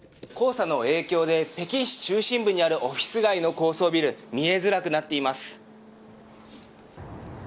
黄砂の影響で、北京市中心部にあるオフィス街の高層ビル、見えづらくなっています。